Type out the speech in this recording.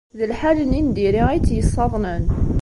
D lḥal-nni n diri ay t-yessaḍnen.